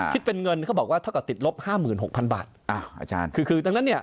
คิดเป็นเงินเขาบอกว่าถ้าก็ติดลบ๕๖๐๐๐บาท